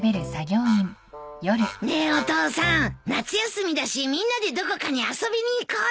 ねえお父さん夏休みだしみんなでどこかに遊びに行こうよ。